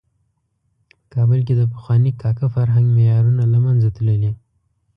په کابل کې د پخواني کاکه فرهنګ معیارونه له منځه تللي.